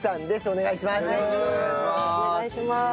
お願いします。